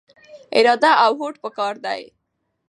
اراده او هوډ پکار دی.